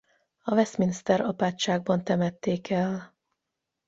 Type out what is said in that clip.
A Westminster-apátságban temették el.